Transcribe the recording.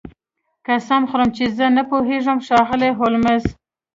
قسم خورم چې زه نه پوهیږم ښاغلی هولمز